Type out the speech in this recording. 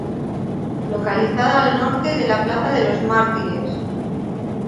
Localizada al norte de la Plaza de los Mártires.